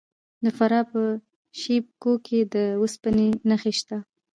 د فراه په شیب کوه کې د وسپنې نښې شته.